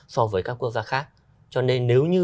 so với các quốc gia khác cho nên nếu như